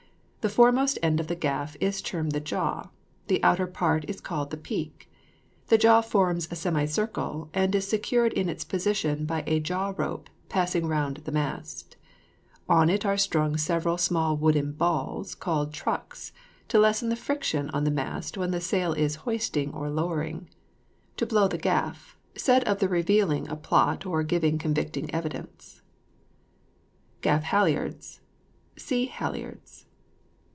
The foremost end of the gaff is termed the jaw, the outer part is called the peak. The jaw forms a semicircle, and is secured in its position by a jaw rope passing round the mast; on it are strung several small wooden balls called trucks, to lessen the friction on the mast when the sail is hoisting or lowering. To blow the gaff, said of the revealing a plot or giving convicting evidence. GAFF HALLIARDS. See HALLIARDS.